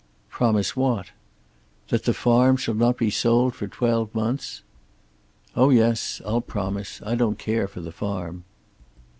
"Promise what?" "That the farm shall not be sold for twelve months." "Oh yes; I'll promise. I don't care for the farm."